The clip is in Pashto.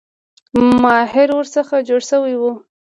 ماهر ورڅخه جوړ شوی وو.